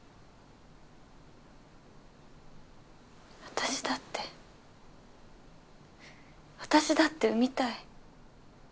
私だって私だって産みたい。